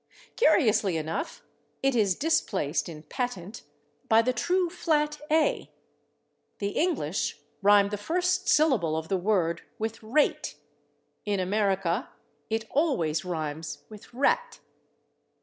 Curiously enough, it is displaced in /patent/ by the true flat /a/. The English rhyme the first syllable of the word with /rate/; in America it always rhymes with /rat